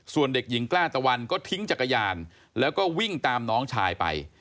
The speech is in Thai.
ส่วนเด็กหญิงกล้าตะวันก็ทิ้งจักรยานแล้วก็วิ่งตามน้องชายไป